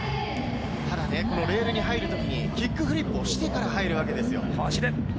ただ、レールに入るときにキックフリップをしてから入るわけです。